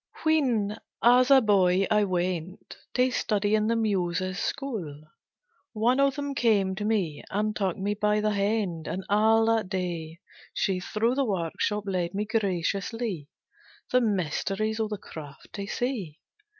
When, as a boy, I went To study in the Muses' school, One of them came to me, and took Me by the hand, and all that day, She through the work shop led me graciously, The mysteries of the craft to see.